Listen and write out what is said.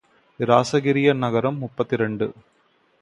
இராசகிரிய நகரம் முப்பத்திரண்டு.